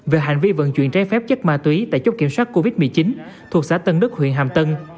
về hành vi vận chuyển trái phép chất ma túy tại chốt kiểm soát covid một mươi chín thuộc xã tân đức huyện hàm tân